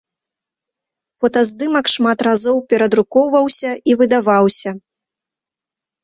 Фотаздымак шмат разоў перадрукоўваўся і выдаваўся.